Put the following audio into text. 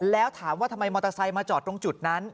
แล้วถามว่าทำไมมอเตอร์ไซค์มาจอดตรงจุดนั้น